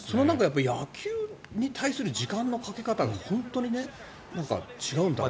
野球に対する時間のかけ方が本当に違うんだなって。